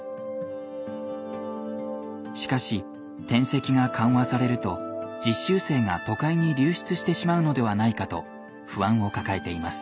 しかし転籍が緩和されると実習生が都会に流出してしまうのではないかと不安を抱えています。